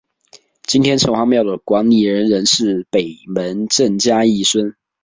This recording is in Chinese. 今天城隍庙的管理人仍是北门郑家裔孙。